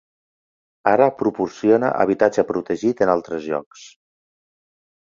Ara proporciona habitatge protegit en altres llocs.